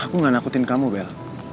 aku gak nakutin kamu bel